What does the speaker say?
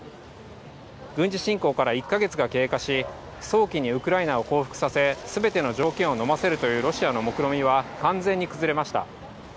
軍事侵攻から１か月が経過し、早期にウクライナを降伏させ、すべての条件をのませるというロシアのもくろみは完全に崩れました。